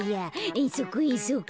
えんそくえんそく。